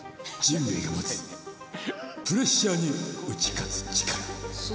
人類が持つプレッシャーに打ち勝つ力。